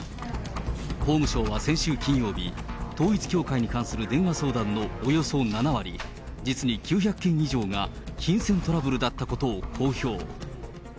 法務省は先週金曜日、統一教会に関する電話相談のおよそ７割、実に９００件以上が金銭トラブルだったことを公表。